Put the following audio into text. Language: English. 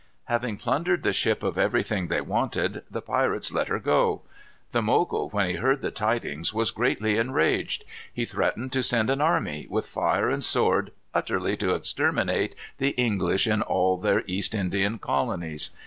Having plundered the ship of everything they wanted, the pirates let her go. The Mogul, when he heard the tidings, was greatly enraged. He threatened to send an army, with fire and sword, utterly to exterminate the English in all their East Indian colonies.